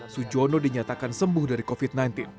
sujono dinyatakan sembuh dari covid sembilan belas